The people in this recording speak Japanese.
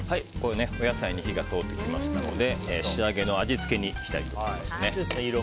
お野菜に火が通ってきましたので仕上げの味付けにいきたいと思います。